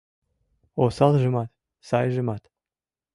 Осалжымат, сайжымат...»